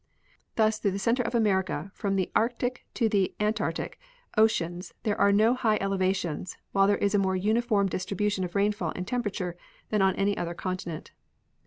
Thus through the center of America, from the Arctic to the Antarctic oceans, there are no high elevations, while there is a more uniform distribution of rainfall and temperature than on any other continent.